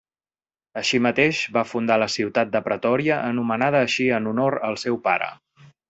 Així mateix va fundar la ciutat de Pretòria anomenada així en honor al seu pare.